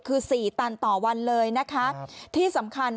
คือสี่ตันต่อวันเลยนะคะที่สำคัญ